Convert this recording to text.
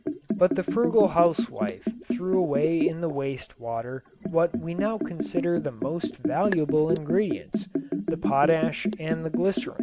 But the frugal housewife threw away in the waste water what we now consider the most valuable ingredients, the potash and the glycerin.